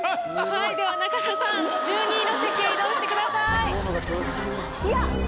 はいでは中田さん１２位の席へ移動してください。